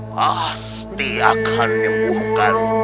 pasti akan nyembuhkan